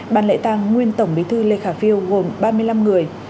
bàn lễ tăng nguyên tổng bí thư lê khả phiêu gồm ba mươi năm người